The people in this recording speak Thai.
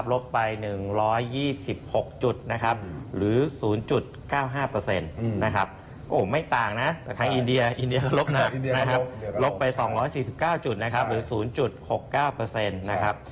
ลบไป๒๔๙จุดหรือ๐๖๙เปอร์เซ็นต์